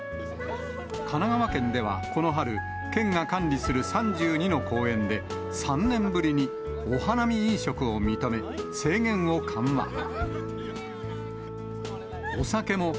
神奈川県では、この春、県が管理する３２の公園で３年ぶりに、お花見飲食を認め、制限を緩和。